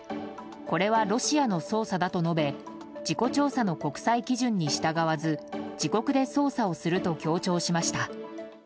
これはロシアの捜査だと述べ事故調査の国際基準に従わず自国で捜査をすると強調しました。